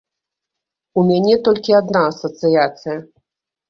У мяне толькі адна асацыяцыя.